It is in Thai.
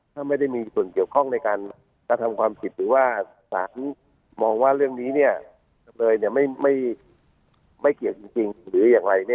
ถ้าไม่ได้มีส่วนเกี่ยวข้องในการกระทำความผิดหรือว่าสารมองว่าเรื่องนี้จำเลยไม่เกี่ยวจริงหรืออย่างไร